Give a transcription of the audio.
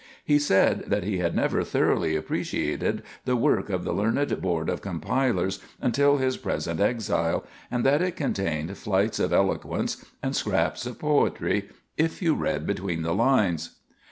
He said that he had never thoroughly appreciated the work of the learned board of compilers until his present exile, and that it contained flights of eloquence and scraps of poetry if you read between the lines.